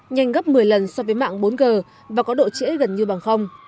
nhanh gấp một mươi lần so với mạng bốn g và có độ trễ gần như bằng